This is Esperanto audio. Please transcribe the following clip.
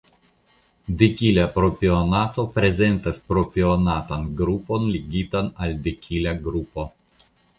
Dekila propionato prezentas propionatan grupon ligitan al dekila grupo.